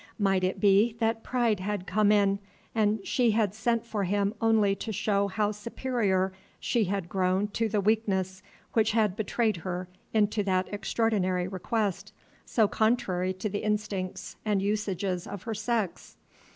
Might it be that pride had come in, and she had sent for him only to show how superior she had grown to the weakness which had betrayed her into that extraordinary request, so contrary to the instincts and usages of her sex?